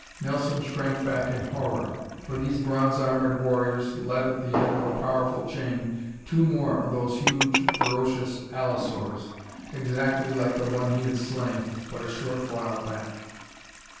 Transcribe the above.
Nelson shrank back in horror, for these bronze armored warriors led, at the end of a powerful chain, two more of those huge, ferocious allosaurs, exactly like the one he had slain but a short while back.